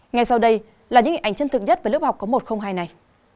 ngay sau đây là những hình ảnh chân thực nhất với lớp học có một trăm linh hai này